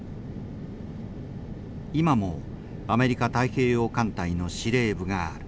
今もアメリカ太平洋艦隊の司令部がある。